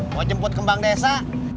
mau jemput kembang desa